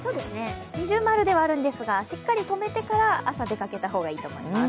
◎ではあるんですが、しっかりとめてから朝出かけた方がいいです。